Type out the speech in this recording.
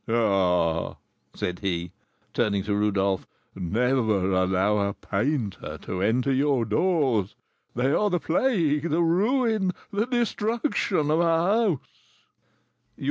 Ah," said he, turning to Rodolph, "never allow a painter to enter your doors; they are the plague the ruin the destruction of a house!"